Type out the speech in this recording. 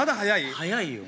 早いよ。